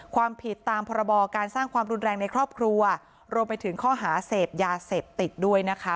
ความผิดตามพรบการสร้างความรุนแรงในครอบครัวรวมไปถึงข้อหาเสพยาเสพติดด้วยนะคะ